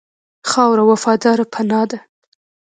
خاوره وفاداره پناه ده.